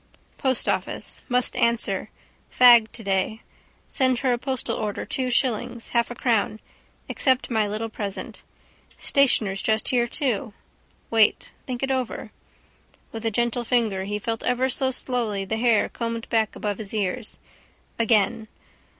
Postoffice. Must answer. Fag today. Send her a postal order two shillings, half a crown. Accept my little present. Stationer's just here too. Wait. Think over it. With a gentle finger he felt ever so slowly the hair combed back above his ears. Again.